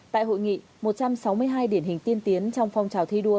tại hội nghị một trăm sáu mươi hai điển hình tiên tiến trong phong trào thi đua